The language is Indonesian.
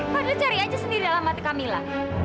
fadil cari aja sendiri dalam hati kamila